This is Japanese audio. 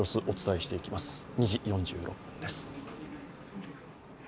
お伝えしていきます。